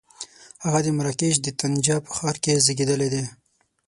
هغه د مراکش د طنجه په ښار کې زېږېدلی دی.